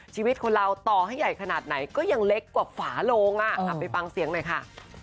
ชีวิตคนเราต่อให้ใหญ่ขนาดไหนก็ยังเล็กกว่าฝาโลงไปฟังเสียงหน่อยค่ะ